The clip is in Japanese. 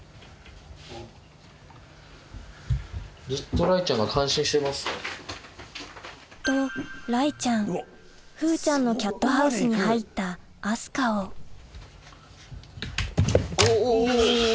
と雷ちゃん風ちゃんのキャットハウスに入った明日香をおぉおぉ。